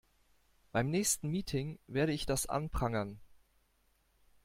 Beim nächsten Meeting werde ich das anprangern.